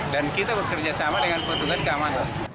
dan kita bekerja sama dengan petugas keamanan